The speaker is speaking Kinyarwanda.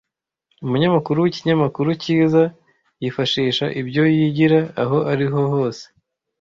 Umunyamakuru w'ikinyamakuru cyiza yifashisha ibyo yigira aho ariho hose,